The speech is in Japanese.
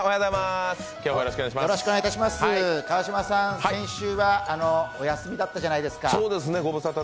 川島さん、先週はお休みだったじゃないですか。